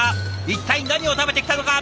一体何を食べてきたのか